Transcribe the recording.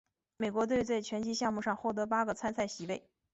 美国队在拳击项目上获得八个参赛席位。